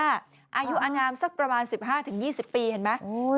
อายุอนามสักประมาณ๑๕๒๐ปีเห็นไหม